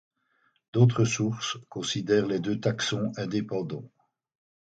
D'autres sources considèrent les deux taxons indépendants.